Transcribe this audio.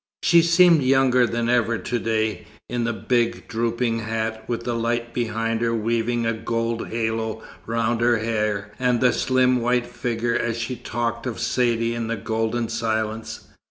She seemed younger than ever to day, in the big, drooping hat, with the light behind her weaving a gold halo round her hair and the slim white figure, as she talked of Saidee in the golden silence.